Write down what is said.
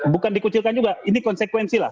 bukan dikucilkan juga ini konsekuensi lah